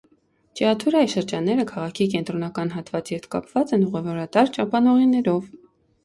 Ճիաթուրայի շրջանները քաղաքի կենտրոնական հատվածի հետ կապված են ուղևորատար ճոպանուղիներով։